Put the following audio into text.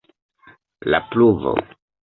La pluvo.